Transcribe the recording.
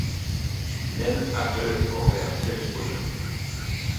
Même Apple aurait un tel projet.